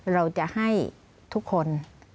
เราจะให้ทุกคน